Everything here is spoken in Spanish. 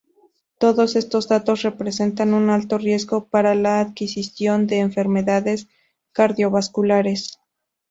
Todos estos datos representan un alto riesgo para la adquisición de enfermedades cardiovasculares.